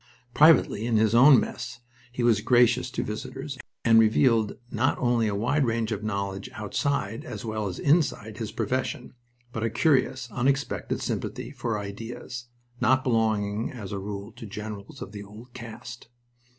Privately, in his own mess, he was gracious to visitors, and revealed not only a wide range of knowledge outside as well as inside his profession, but a curious, unexpected sympathy for ideas, not belonging as a rule to generals of the old caste.